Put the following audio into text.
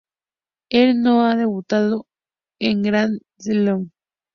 Él no ha debutado en Grand Slam.